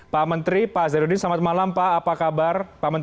pak menteri pak zenudin selamat malam pak apa kabar